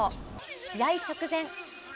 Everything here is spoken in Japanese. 試合直前。